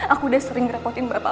aku udah sering ngerepotin berapa